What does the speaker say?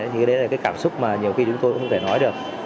thì cái đấy là cái cảm xúc mà nhiều khi chúng tôi cũng không thể nói được